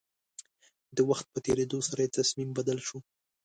د وخت په تېرېدو سره يې تصميم بدل شو.